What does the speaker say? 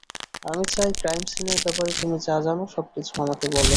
আমি চাই ক্রাইম সিনের ব্যাপারে তুমি যা জানো সবকিছু আমাকে বলো।